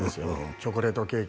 「チョコレートケーキ